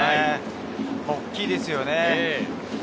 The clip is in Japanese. おっきいですよね。